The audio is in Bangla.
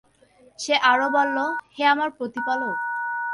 সে আরো বলল, হে আমার প্রতিপালক!